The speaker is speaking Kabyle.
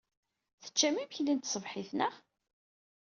Teccam imekli n tṣebḥit, naɣ?